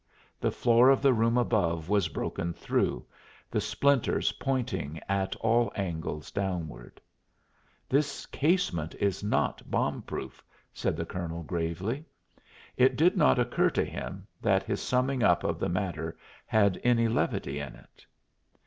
The floor of the room above was broken through, the splinters pointing at all angles downward. "This casemate is not bomb proof," said the colonel gravely. It did not occur to him that his summing up of the matter had any levity in it.